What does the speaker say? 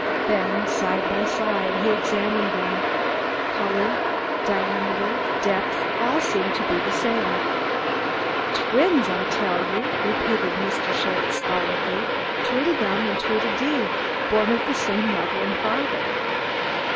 Then, side by side, he examined them; color, cutting, diameter, depth, all seemed to be the same. "Dwins, I dell you," repeated Mr. Schultze stolidly. "Dweedledum und Dweedledee, born of der same mudder und fadder.